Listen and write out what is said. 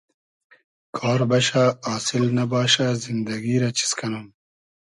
کار بئشۂ آسیل نئباشۂ زیندئگی رۂ چیز کئنوم